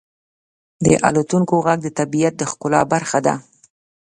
• د الوتونکو ږغ د طبیعت د ښکلا برخه ده.